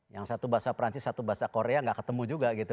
yang satu bahasa perancis satu bahasa korea nggak ketemu juga gitu